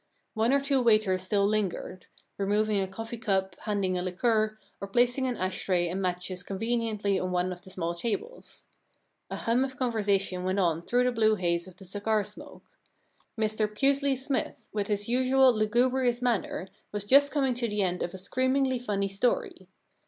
One or two waiters still lingered — removing a coffee cup, handing a liqueur, or placing an ash tray and matches conveniently on one of the small tables. A hum of conversation went on through the blue haze of the cigar smoke. Mr Pusely Smythe, with his usual lugubrious manner, was just coming to the end of a screamingly funny story.